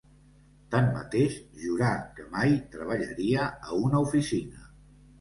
Tanmateix, jurà que mai treballaria a una oficina.